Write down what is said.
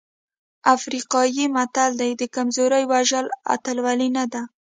افریقایي متل وایي د کمزوري وژل اتلولي نه ده.